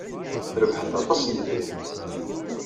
Terbeḥ-d aṭas n yidrimen.